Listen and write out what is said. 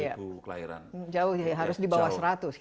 iya jauh ya harus di bawah seratus